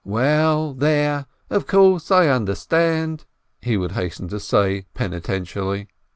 "Well, there ! Of course, I understand !" he would hasten to say, penitently.